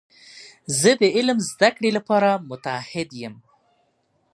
زه د علم د زده کړې لپاره متعهد یم.